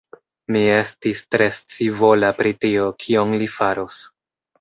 Mi estis tre scivola pri tio, kion li faros.